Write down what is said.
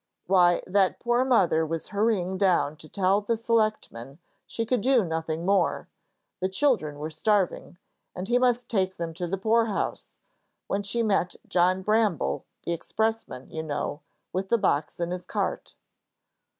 "Why, that poor mother was hurrying down to tell the selectman she could do nothing more, the children were starving, and he must take them to the poorhouse, when she met John Bramble, the expressman, you know, with the box in his cart."